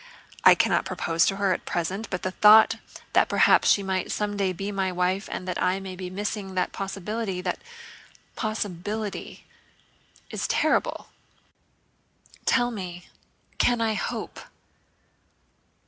I cannot propose to her at present, but the thought that perhaps she might someday be my wife and that I may be missing that possibility... that possibility... is terrible. Tell me, can I hope?